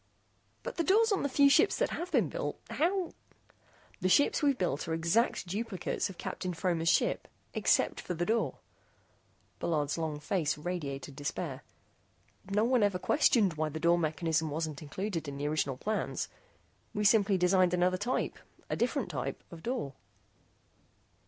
"But the doors on the few ships that have been built. How " "The ship's we've built were exact duplicates of Captain Fromer's ship except for the door." Bullard's long face radiated despair. "No one ever questioned why the door mechanism wasn't included in the original plans. We simply designed another type a different type of door."